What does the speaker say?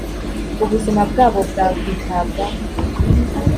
ubuzima bwabo bwakwitabwaho